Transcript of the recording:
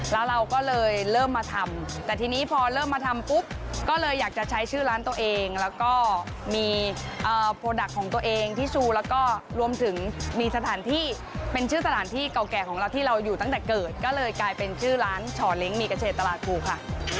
แล้วเราก็เลยเริ่มมาทำแต่ทีนี้พอเริ่มมาทำปุ๊บก็เลยอยากจะใช้ชื่อร้านตัวเองแล้วก็มีโปรดักต์ของตัวเองที่ชูแล้วก็รวมถึงมีสถานที่เป็นชื่อสถานที่เก่าแก่ของเราที่เราอยู่ตั้งแต่เกิดก็เลยกลายเป็นชื่อร้านช่อเล้งมีเกษตรตลาดภูค่ะ